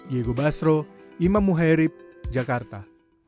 diego basro imam muhairib jakarta